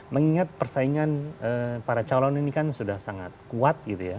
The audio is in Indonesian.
mengingat persaingan para calon ini kan sudah sangat kuat gitu ya